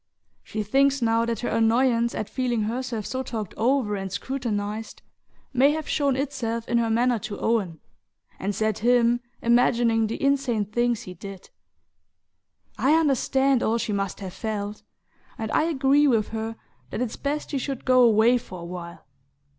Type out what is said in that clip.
She thinks now that her annoyance at feeling herself so talked over and scrutinized may have shown itself in her manner to Owen, and set him imagining the insane things he did...I understand all she must have felt, and I agree with her that it's best she should go away for a while.